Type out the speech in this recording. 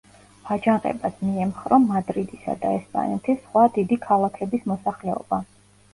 აჯანყებას მიემხრო მადრიდისა და ესპანეთის სხვა დიდი ქალაქების მოსახლეობა.